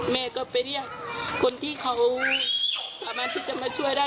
แม่ก็ไปเรียกคนที่เขาสามารถที่จะมาช่วยได้